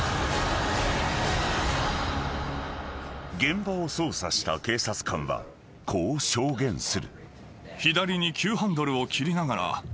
［現場を捜査した警察官はこう証言する］